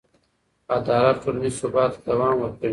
عدالت ټولنیز ثبات ته دوام ورکوي.